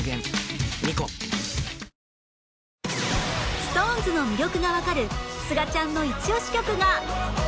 ＳｉｘＴＯＮＥＳ の魅力がわかるすがちゃんのイチオシ曲が